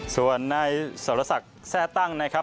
ส่วนในสรษะแทร่ตั้งนะครับ